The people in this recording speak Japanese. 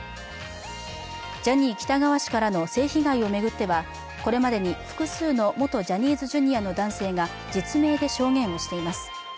ジャニー喜多川氏からの性被害を巡っては、これまでに複数の元ジャニーズＪｒ．の男性が実名で証言をしています。